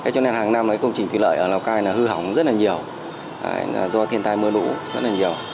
cho nên hàng năm công trình thủy lợi ở lào cai hư hỏng rất nhiều do thiên tai mưa nũ rất nhiều